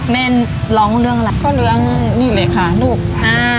แม่ลำเรื่องอะไรก็เหลืองนี่เลยค่ะลูกอ่า